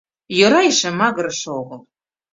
Йӧра эше магырыше огыл.